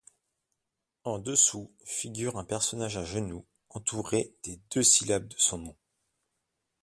En dessous figure un personnage à genoux entouré des deux syllabes de son nom.